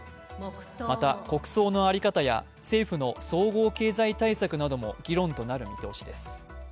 また、国葬の在り方や政府の総合経済対策なども議論となる見通しです。